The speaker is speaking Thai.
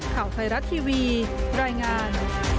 ข่าวไทยรัฐทีวีรายงาน